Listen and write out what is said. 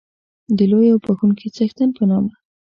د لوی او بښوونکي څښتن په نامه.